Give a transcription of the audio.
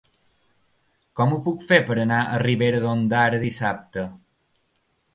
Com ho puc fer per anar a Ribera d'Ondara dissabte?